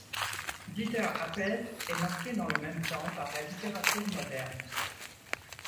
Dieter Appelt est marqué dans le même temps par la littérature moderne.